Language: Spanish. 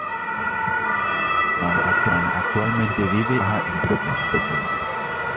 Eisenman actualmente vive y trabaja en Brooklyn.